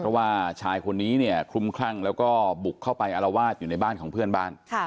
เพราะว่าชายคนนี้เนี่ยคลุมคลั่งแล้วก็บุกเข้าไปอารวาสอยู่ในบ้านของเพื่อนบ้าน